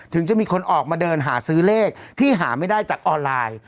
ถึงจะมีคนออกมาเดินหาซื้อเลขที่หาไม่ได้จากออนไลน์